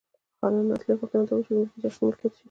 خانانو اصلي غوښتنه دا وه چې ځمکې یې شخصي ملکیت شي.